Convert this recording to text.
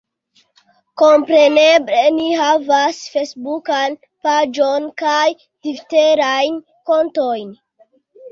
Kompreneble, ni havas fejsbukan paĝon, kaj tviterajn kontojn